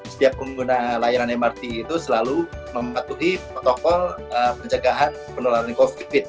setiap pengguna layanan mrt itu selalu mematuhi protokol pencegahan penularan covid sembilan